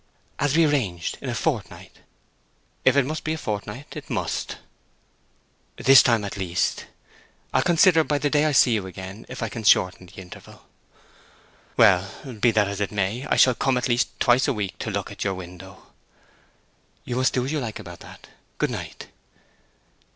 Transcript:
"As we arranged—in a fortnight." "If it must be a fortnight it must!" "This time at least. I'll consider by the day I see you again if I can shorten the interval." "Well, be that as it may, I shall come at least twice a week to look at your window." "You must do as you like about that. Good night."